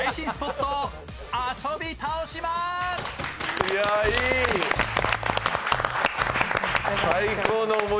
いや、いい！